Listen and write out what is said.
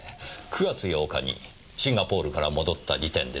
９月８日にシンガポールから戻った時点で出来たでしょう。